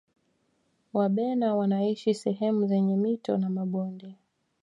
wabena wanaishi sehemu zenye mito na mabonde